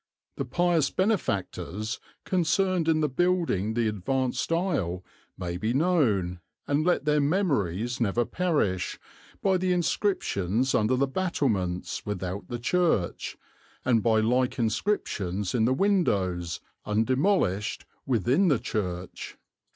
The pious Benefactors concerned in the building the advanced Ile may be known, and let their memories never perish, by the inscriptions under the Battlements, without the Church, and by like inscriptions in the windows, undemolished, within the Church."